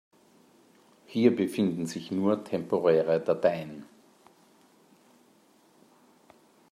Hier befinden sich nur temporäre Dateien.